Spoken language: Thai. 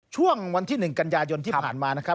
ช่วงวันที่๑กันยายนที่ผ่านมานะครับ